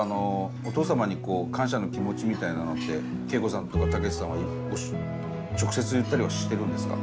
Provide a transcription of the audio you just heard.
お父様に感謝の気持ちみたいなのって恵子さんとか毅さんは直接言ったりはしてるんですか？